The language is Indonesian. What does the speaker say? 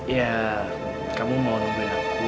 ya kamu mau nungguin aku